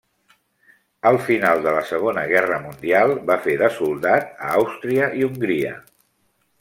Al final de la Segona Guerra Mundial va fer de soldat a Àustria i Hongria.